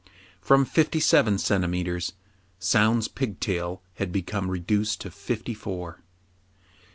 From fifty seven centimetres, Soun's 'pigtail had become reduced to fifty four.